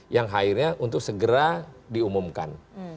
yang akhirnya untuk segera diumumkan